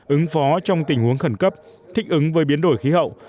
ứng phó trong tình huống khẩn cấp thích ứng với biến đổi khí hậu